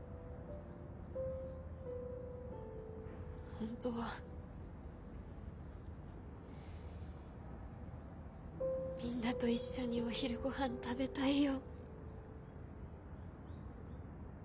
ほんとはみんなと一緒にお昼ごはん食べたいよ。